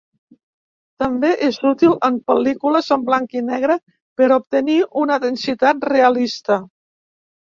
També és útil en pel·lícules en blanc i negre per obtenir una densitat realista.